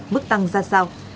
mức tăng ra sao